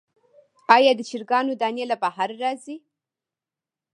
آیا د چرګانو دانی له بهر راځي؟